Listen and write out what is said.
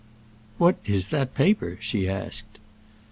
"What is that paper?" she asked.